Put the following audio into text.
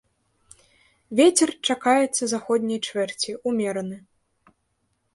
Вецер чакаецца заходняй чвэрці, умераны.